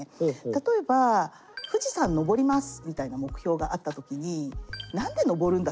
例えば富士山登りますみたいな目標があった時に何で登るんだっけって？